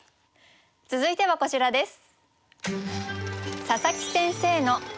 続いてはこちらです。